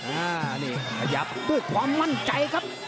อ่านี่ขยับด้วยความมั่นใจครับ